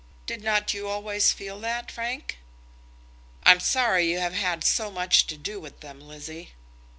Did not you always feel that, Frank?" "I'm sorry you have had so much to do with them, Lizzie."